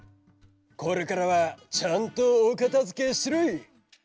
これからはちゃんとおかたづけしろい！